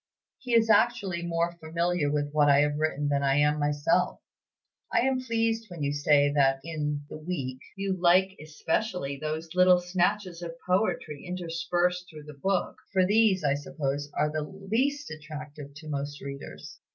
He is actually more familiar with what I have written than I am myself. I am pleased when you say that in 'The Week' you like especially 'those little snatches of poetry interspersed through the book;' for these, I suppose, are the least attractive to most readers.